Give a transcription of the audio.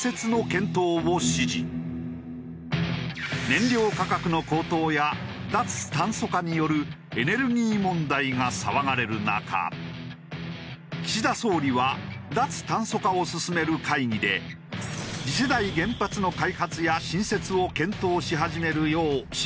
燃料価格の高騰や脱炭素化によるエネルギー問題が騒がれる中岸田総理は脱炭素化を進める会議で次世代原発の開発や新設を検討し始めるよう指示を出した。